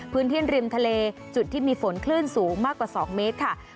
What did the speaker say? พื้นที่ริมทะเลจุดที่มีฝนคลื่นสูงมากกว่า๒เมตรค่ะ